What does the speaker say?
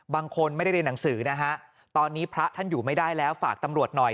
บางคนไม่ได้เรียนหนังสือนะฮะตอนนี้พระท่านอยู่ไม่ได้แล้วฝากตำรวจหน่อย